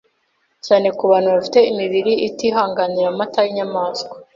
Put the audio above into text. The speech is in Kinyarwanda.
cyane ku bantu bafite imibiri itihinganira amata y’inyamaswa,